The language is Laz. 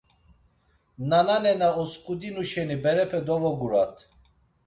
Nananena osǩudinu şeni berepe dovogurat.